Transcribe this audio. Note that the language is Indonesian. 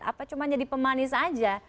apa cuma jadi pemanis aja